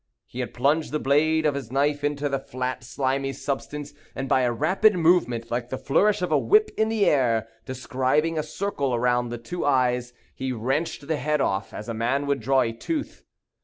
He had plunged the blade of his knife into the flat, slimy substance, and by a rapid movement, like the flourish of a whip in the air, describing a circle around the two eyes, he wrenched the head off as a man would draw a tooth.